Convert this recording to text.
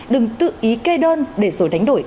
đừng tự ý kê đơn để rồi đánh đổi